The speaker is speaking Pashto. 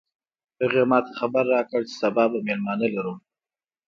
هغې ما ته خبر راکړ چې سبا به مېلمانه لرو